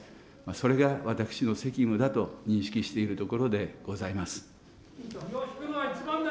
それが私の責務だと認識しているところでございます。